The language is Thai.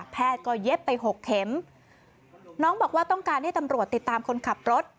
แพทย์ก็เย็บไปหกเข็มน้องบอกว่าต้องการให้ตำรวจติดตามคนขับรถ